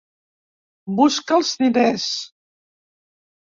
Busca els diners.